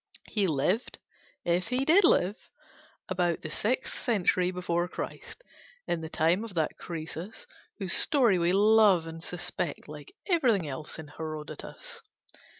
He lived, if he did live, about the sixth century before Christ, in the time of that Croesus whose story we love and suspect like everything else in Herodotus.